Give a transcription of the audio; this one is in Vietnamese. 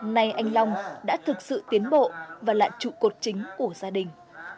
nay anh long đã thực sự tiến bộ và là trụ cột chính của gia đình